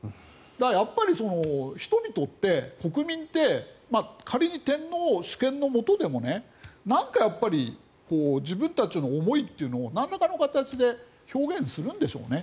だから、人々って国民って仮に天皇主権のもとでも何かやっぱり自分たちの思いというのをなんらかの形で表現するんでしょうね。